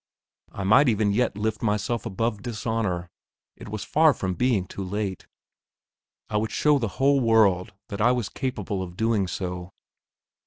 I might even yet lift myself above dishonour; it was far from being too late; I would show the whole world that I was capable of doing so.